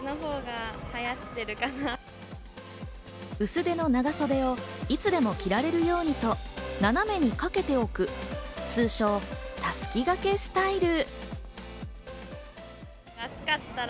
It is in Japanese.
薄手の長袖をいつでも着られるようにと斜めにかけておく、通称・たすき掛けスタイル。